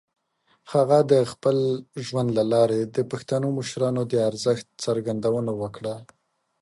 هغه د خپل ژوند له لارې د پښتنو د مشرانو د ارزښت څرګندونه وکړه.